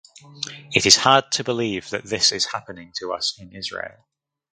It is hard to believe that this is happening to us in Israel.